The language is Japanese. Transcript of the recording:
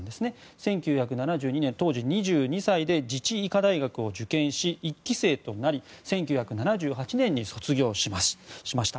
１９７２年、当時２２歳で自治医科大学を受験し１期生となり１９７８年に卒業しました。